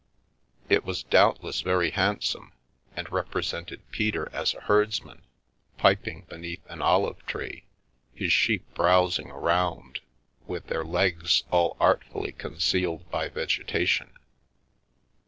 It was doubtless very handsome, and represented Peter as a herdsman, piping beneath an olive tree, his sheep browsing around, with their legs all artfully concealed by vegetation.